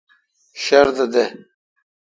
شردہ دے۔